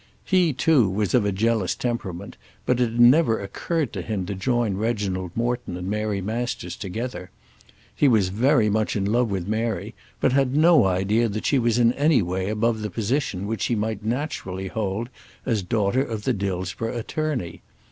He, too, was of a jealous temperament, but it had never occurred to him to join Reginald Morton and Mary Masters together. He was very much in love with Mary, but had no idea that she was in any way above the position which she might naturally hold as daughter of the Dillsborough attorney.